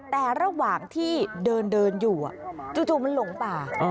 แต่ระหว่างที่เดินอยู่จู่มันหลงป่า